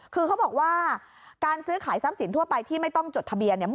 คือเขาบอกว่าการซื้อขายทรัพย์สินทั่วไปที่ไม่ต้องจดทะเบียนเนี่ย